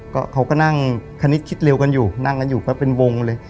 ก็เขาก็นั่งคณิตคิดเร็วกันอยู่นั่งกันอยู่ก็เป็นวงเลย